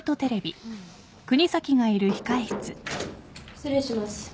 失礼します。